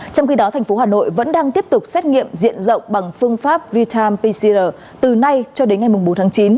trong khi đó thành phố hà nội vẫn đang tiếp tục xét nghiệm diện rộng bằng phương pháp real time pcr từ nay cho đến ngày bốn tháng chín